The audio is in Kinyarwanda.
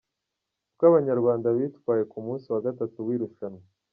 Uko Abanyarwanda bitwaye ku munsi wa gatatu w’irushanwa.